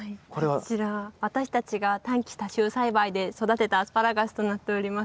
こちら私たちが短期多収栽培で育てたアスパラガスとなっております。